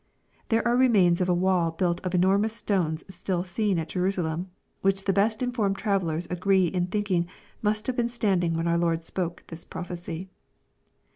There are remains of a wall built of enormous stones still seen at Jerusalem, which the best informed travellers agree in thinking must have been standing when our Lord spoke this prophecy.